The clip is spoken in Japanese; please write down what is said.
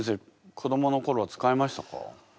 子どもの頃使いましたか？